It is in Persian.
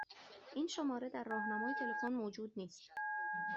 این شماره در راهنمای تلفن موجود نیست.